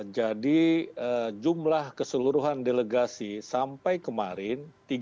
jadi jumlah keseluruhan delegasi sampai kemarin